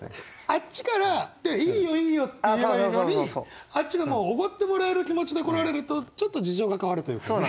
あっちから「いいよいいよ」って言えばいいのにあっちがもうおごってもらえる気持ちで来られるとちょっと事情が変わるというかね。